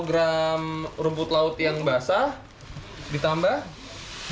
berarti satu kg rumput laut yang basah ditambah delapan kg